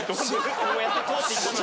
こうやって通って行ったのにな。